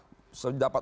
sedapat menurut saya